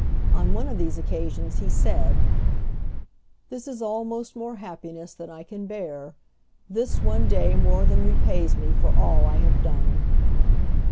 On one of these occasions he said: "This is almost more happiness than I can bear. This one day more than repays me for all I have done."